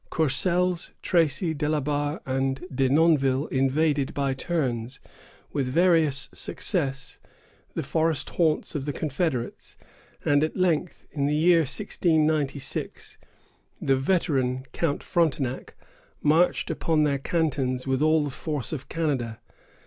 Courcelles, Tracy, De la Barre, and De Nonville invaded by turns, with various success, the forest haunts of the confederates; and at length, in the year 1696, the veteran Count Frontenac marched upon their cantons with all the force of Canada.